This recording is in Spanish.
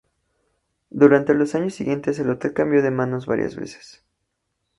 Durante los años siguientes el hotel cambió de manos varias veces.